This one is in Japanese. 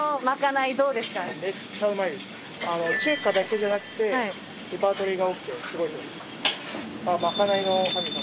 中華だけじゃなくてレパートリーが多くてすごいと思います。